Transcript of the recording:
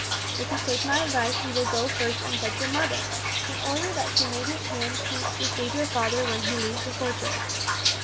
If you take my advice you will go first and fetch your mother, in order that she may be at hand to receive your father when he leaves the fortress.